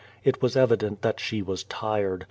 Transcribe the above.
It was evident that she was tired.